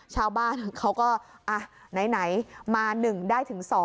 ชาวบ้านเขาก็ไหนมา๑ได้ถึง๒